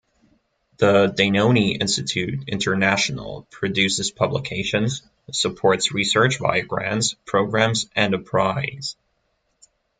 The Danone Institute International produces publications, supports research via grants, programs and a prize.